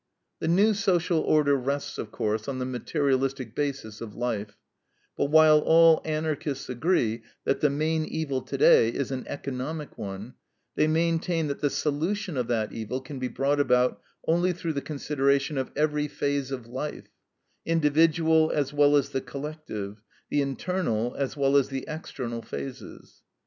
The new social order rests, of course, on the materialistic basis of life; but while all Anarchists agree that the main evil today is an economic one, they maintain that the solution of that evil can be brought about only through the consideration of EVERY PHASE of life, individual, as well as the collective; the internal, as well as the external phases.